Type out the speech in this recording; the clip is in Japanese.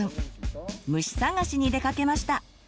虫探しに出かけました。